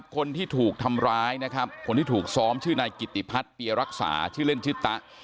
คนที่ถูกทำร้ายนะครับคนที่ถูกซ้อมชื่อนายกิติพัฒน์เปียรักษาชื่อเล่นชื่อตะ